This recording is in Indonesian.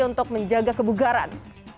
untuk menjaga kebugaran